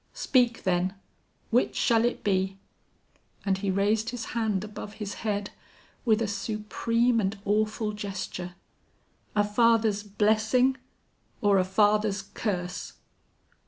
Speak then, which shall it be?' And he raised his hand above his head, with a supreme and awful gesture, 'a father's blessing or a father's curse?'